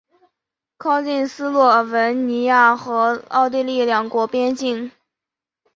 靠近斯洛文尼亚和奥地利两国边境。